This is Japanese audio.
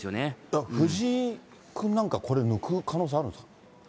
だから藤井君なんか、これ、抜く可能性あるんですか。